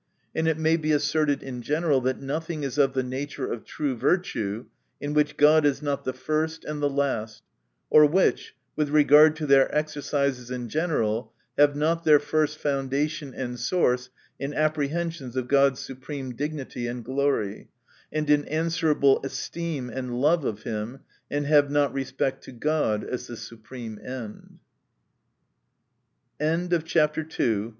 — And it may be asserted in general that nothing is of the nature of true virtue in which God is not the first and the last ; or which, with regard to their exercises in general, have not their first Toundation and source in apprehensions of God's supreme dignity and glory, and in answerable esteem and love of him, and have not respect to God as the supreme end. CHAPTER III.